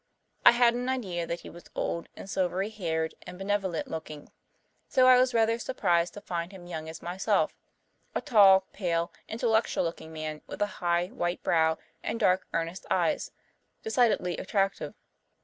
I had an idea that he was old and silvery haired and benevolent looking. So I was rather surprised to find him as young as myself a tall, pale, intellectual looking man, with a high, white brow and dark, earnest eyes decidedly attractive.